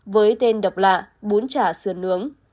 với tên độc lạ bún chả sườn nướng